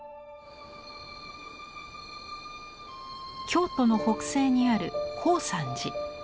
京都の北西にある高山寺。